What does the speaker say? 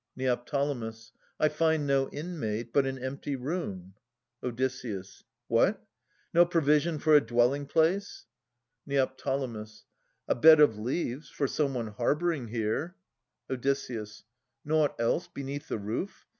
Neo. I find no inmate, but an empty room. Od. What? no provision for a dwelling place? Neo. a bed of leaves for some one harbouring here. Od. Nought else beneath the roof?